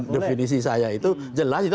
definisi saya itu jelas itu